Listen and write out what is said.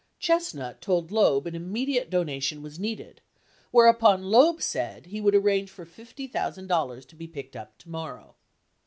Chestnut told Loeb an immediate donation was needed whereupon Loeb said he "would arrange for $50,000 to be picked up tomorrow."